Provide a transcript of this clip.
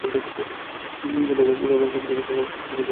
রব, আমি কিছু করিনি, বুঝেছেন?